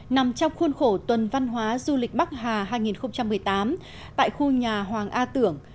nằm trong khuôn khổ tuần văn hóa du lịch bắc hà hai nghìn một mươi tám tại khu nhà hoàng a tưởng